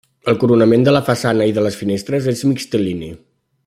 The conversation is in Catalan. El coronament de la façana i de les finestres és mixtilini.